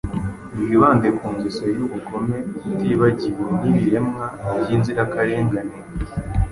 Wibande ku ngeso y'ubugome Utibagiwe n'ibiremwa by'inzirakarengane,